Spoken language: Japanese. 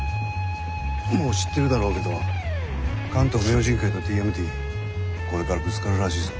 もう知ってるだろうけど「関東明神会」と「ＴＭＴ」これからぶつかるらしいぞ。